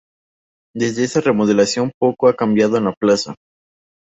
Desde esa remodelación poco ha cambiado en la plaza.